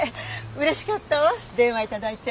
嬉しかったわ電話頂いて。